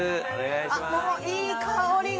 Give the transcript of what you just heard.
あっもういい香りが！